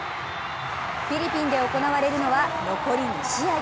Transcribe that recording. フィリピンで行われるのは残り２試合。